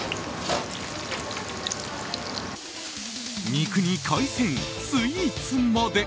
肉に海鮮、スイーツまで。